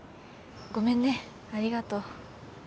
ごめんねありがとう。